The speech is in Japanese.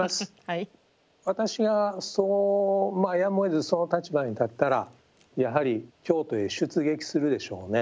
私がやむをえずその立場に立ったらやはり京都へ出撃するでしょうね。